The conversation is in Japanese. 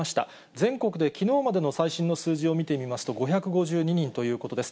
全国できのうまでの最新の数字を見てみますと、５５２人ということです。